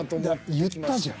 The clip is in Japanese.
言ったじゃん。